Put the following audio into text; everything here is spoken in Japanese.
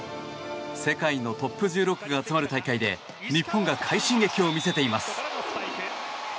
世界のトップ１６が集まる大会で日本が快進撃を見せています。